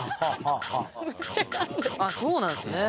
あっそうなんですね。